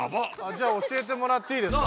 じゃあ教えてもらっていいですか？